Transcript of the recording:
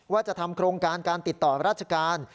ว่าจะทำโครงการการติดต่อราชการ